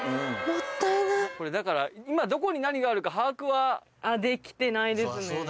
これだから今どこに何があるか把握は？できてないですね。